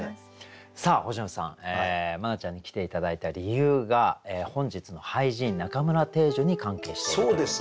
さあ星野さん茉奈ちゃんに来て頂いた理由が本日の俳人中村汀女に関係しているということですが。